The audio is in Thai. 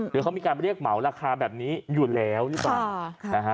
หรือเขามีการเรียกเหมาราคาแบบนี้อยู่แล้วหรือเปล่านะฮะ